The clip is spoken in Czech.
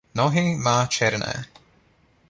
Nohy má černé.